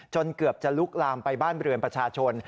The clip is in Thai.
เกือบจะลุกลามไปบ้านเรือนประชาชน